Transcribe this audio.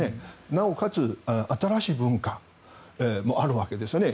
なおかつ、新しい文化もあるわけですよね。